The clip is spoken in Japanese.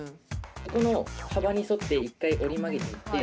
ここの幅に沿って一回、折り曲げていって。